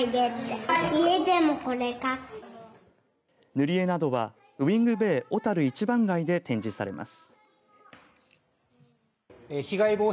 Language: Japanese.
塗り絵などはウイングベイ小樽１番街で展示されます。